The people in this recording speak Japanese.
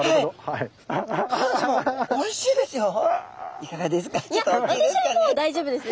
いかがですか？